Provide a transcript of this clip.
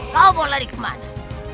kau mau lari kemana